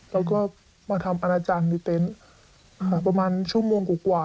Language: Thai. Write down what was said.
แล้วก็มาทำอนาจารย์ในเต็นต์ประมาณชั่วโมงกว่า